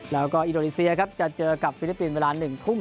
แล้วก็อินโดนีเซียครับจะเจอกับฟิลิปปินส์เวลา๑ทุ่ม